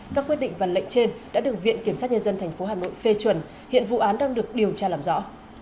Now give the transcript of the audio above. các quyết định và lệnh trên đã được viện kiểm sát nhân dân tp hà nội phê chuẩn hiện vụ án đang được điều tra làm rõ